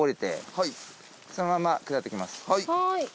はい。